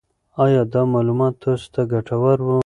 آیا دا معلومات تاسو ته ګټور وو؟